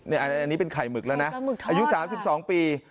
อันนี้เป็นไข่หมึกแล้วนะอายุ๓๒ปี